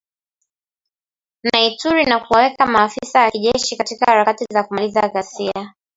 na Ituri na kuwaweka maafisa wa kijeshi katika harakati za kumaliza ghasia.